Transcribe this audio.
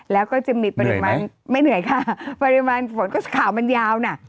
แล้วก็จะมีปริมาณไม่เหนื่อยค่ะปริมาณฝนก็ขาวมันยาวน่ะ